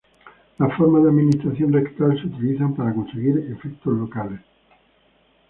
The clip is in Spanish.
Las formas de administración rectal se utilizan para conseguir efectos locales.